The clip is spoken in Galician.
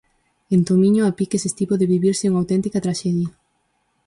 En Tomiño, a piques estivo de vivirse unha auténtica traxedia.